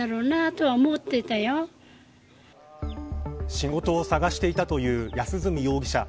仕事を探していたという安栖容疑者。